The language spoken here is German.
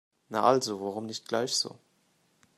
Na also, warum nicht gleich so?